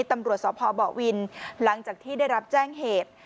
ตำรวจสพบวินหลังจากที่ได้รับแจ้งเหตุ